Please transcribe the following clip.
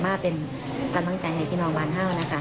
ม้าเป็นกำลังใจให้พี่น้องบรรเทานะครับ